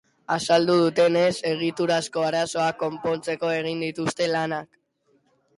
Azaldu dutenez, egiturazko arazoak konpontzeko egin dituzte lanak.